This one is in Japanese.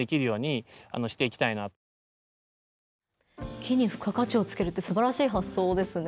木に付加価値をつけるってすばらしい発想ですね。